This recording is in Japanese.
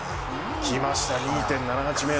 きました、２．７８ｍ。